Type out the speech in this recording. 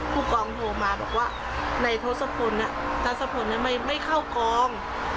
ผู้กองโทรมาบอกว่าในทศพลทัศพลไม่เข้ากอง